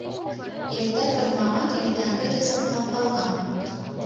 Иртә тормаған иртәнге ризыҡтан ҡалған.